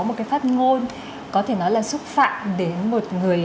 một cái phát ngôn có thể nói là xúc phạm đến một người